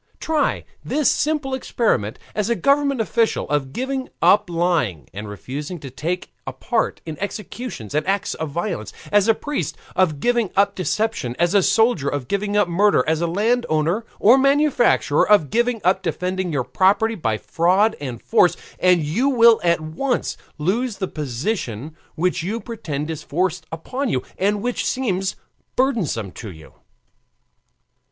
Try the simple experiment, as a government official, of giving up lying, and refusing to take a part in executions and acts of violence; as a priest, of giving up deception; as a soldier, of giving up murder; as landowner or manufacturer, of giving up defending your property by fraud and force; and you will at once lose the position which you pretend is forced upon you, and which seems burdensome to you.